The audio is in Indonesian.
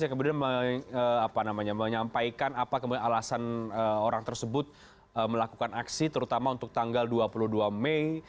yang kemudian menyampaikan apa kemudian alasan orang tersebut melakukan aksi terutama untuk tanggal dua puluh dua mei